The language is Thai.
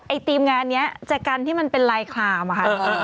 ไอ้ทีมงานนี้แจกันที่มันเป็นลายคลาบ่ะคะ